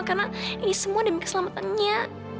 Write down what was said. karena ini semua demi keselamatannya